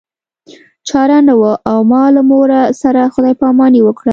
چاره نه وه او ما له مور سره خدای پاماني وکړه